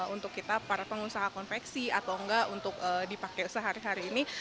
untuk kita para pengusaha konveksi atau enggak untuk dipakai sehari hari ini